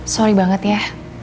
sorry banget ya